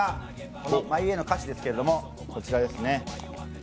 この「ＭｙＷａｙ」の歌詞ですけれども、こちらですね。